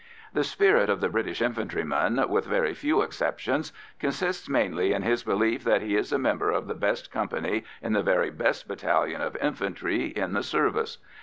The spirit of the British infantryman, with very few exceptions, consists mainly in his belief that he is a member of the best company in the very best battalion of infantry in the service.